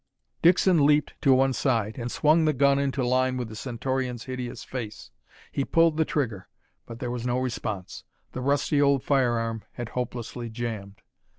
Dixon leaped to one side and swung the gun into line with the Centaurian's hideous face. He pulled the trigger but there was no response. The rusty old firearm had hopelessly jammed.